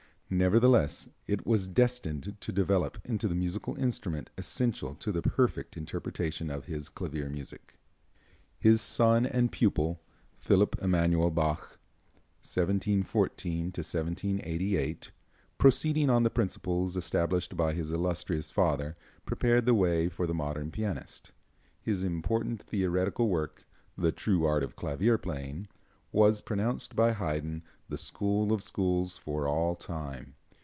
Nevertheless, it was destined to develop into the musical instrument essential to the perfect interpretation of his clavier music. His son and pupil, Philipp Emanuel Bach (1714 1788), proceeding on the principles established by his illustrious father, prepared the way for the modern pianist. His important theoretical work, "The True Art of Clavier Playing," was pronounced by Haydn the school of schools for all time.